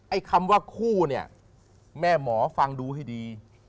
ไอคำว่าคู่แม่หมอฟังดูให้ดี